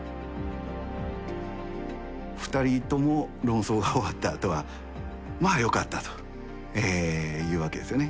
２人とも論争が終わったあとはまあよかったというわけですよね。